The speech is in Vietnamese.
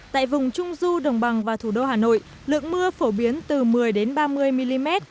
tại vùng trung du đồng bằng và thủ đô hà nội lượng mưa phổ biến từ một mươi ba mươi mm